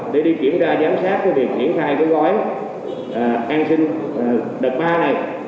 để đi kiểm tra giám sát cái việc diễn thai cái gói an sinh đợt ba này